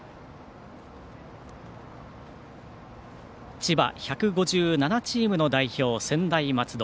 千葉、１５７チームの代表専大松戸。